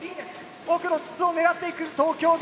奥の筒を狙っていく東京Ｂ。